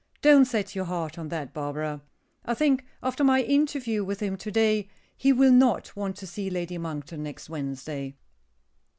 Don't set your heart on that, Barbara. I think, after my interview with him to day, he will not want to see Lady Monkton next Wednesday."